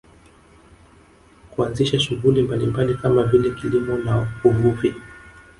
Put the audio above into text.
Kuanzisha shughuli mbalimbali kama vile kilimo na uvuvi